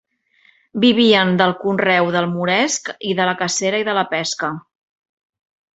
Vivien del conreu del moresc i de la cacera i de la pesca.